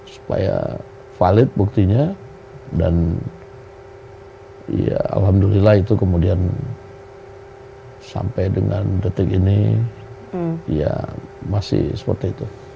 supaya valid buktinya dan ya alhamdulillah itu kemudian sampai dengan detik ini ya masih seperti itu